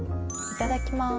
いただきます。